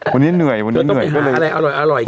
วันนี้เหนื่อย